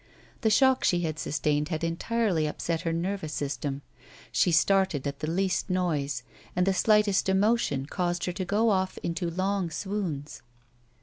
The shock she had sustained had entirely upset her nervous system ; she started at the least noise, and the slightest emotion caused her to go off into long swoons.